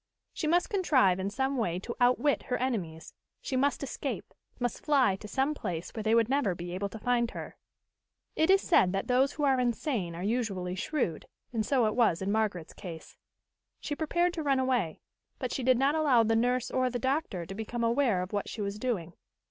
She must contrive in some way to outwit her enemies she must escape must fly to some place where they would never be able to find her. It is said that those who are insane are usually shrewd, and so it was in Margaret's case. She prepared to run away, but she did not allow the nurse or the doctor to become aware of what she was doing.